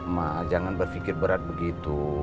mah jangan berpikir berat begitu